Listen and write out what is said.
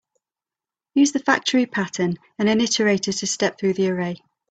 Use the factory pattern and an iterator to step through the array.